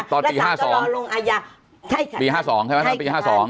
ตอนตี๕๒ปี๕๒ใช่ปะหละปี๕๒